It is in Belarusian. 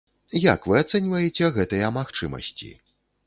Як вы ацэньваеце гэтыя магчымасці?